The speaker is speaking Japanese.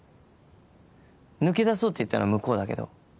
「抜け出そう」って言ったの向こうだけど。